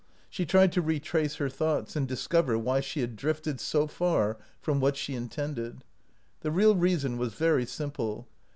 She tried to retrace her thoughts and discover why she had drifted so far from what she intended. The real reason was very simple.